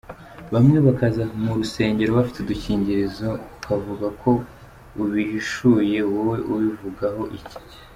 Bamwe bakaza mu rusengero bafite udukingirizo, ukavuga ko ubihishuye, wowe ubivugaho iki?.